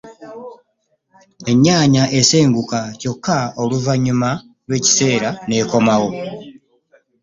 Ennyanja esenguka kyokka oluvannyuma lw’ekiseera n’ekomawo